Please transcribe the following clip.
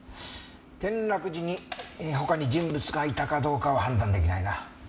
転落時に他に人物がいたかどうかは判断出来ないな。